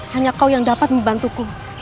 hanya kau yang dapat membantuku